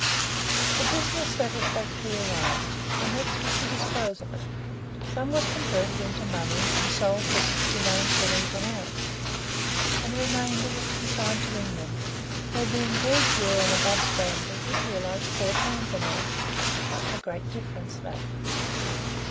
The business satisfactorily arranged, the next was to dispose of it. Some was converted into money, and sold for 69s. an ounce; and the remainder was consigned to England, where, being very pure and above standard, it realized 4 pounds an ounce. A great difference that!